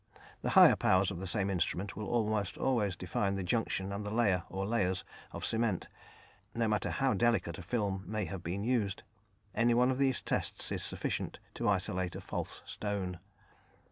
The higher powers of the same instrument will almost always define the junction and the layer or layers of cement, no matter how delicate a film may have been used. Any one of these tests is sufficient to isolate a false stone.